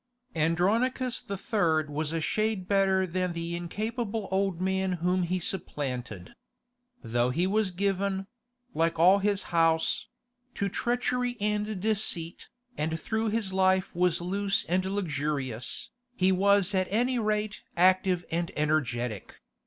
Andronicus III. was a shade better than the incapable old man whom he supplanted. Though he was given—like all his house—to treachery and deceit, and though his life was loose and luxurious, he was at any rate active and energetic.